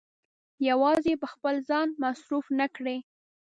يوازې يې په خپل ځان مصرف نه کړي.